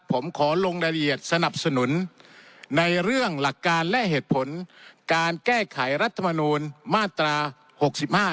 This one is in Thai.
ผมขอลงรายละเอียดสนับสนุนในเรื่องหลักการและเหตุผลการแก้ไขรัฐมนูลมาตราหกสิบห้า